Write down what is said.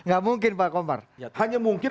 gak mungkin pak komar hanya mungkin